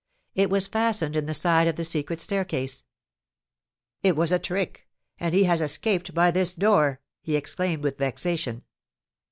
It was fastened in the side of the secret staircase. "It was a trick, and he has escaped by this door!" he exclaimed, with vexation.